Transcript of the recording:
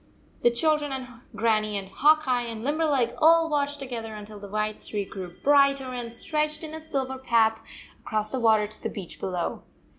" The children and Grannie and Hawk Eye and Limberleg all watched together until the white streak grew brighter and stretched in a silver path across the water to the beach below.